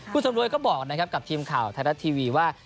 คุณสำรวยก็บอกนะครับกับทีมข่าวไทยรัฐทีวีว่า